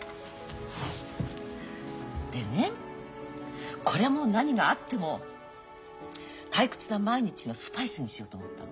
でねこれはもう何があっても退屈な毎日のスパイスにしようと思ったの。